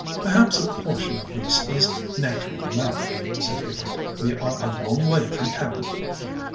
"Perhaps a portion of this is natural enough," said Hubert, "we are a long way from town."